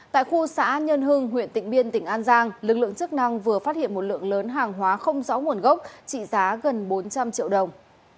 tại khu xã nhân hưng huyện tịnh biên tỉnh an giang lực lượng chức năng vừa phát hiện một lượng lớn hàng hóa không rõ nguồn gốc trị giá gần bốn trăm linh triệu đồng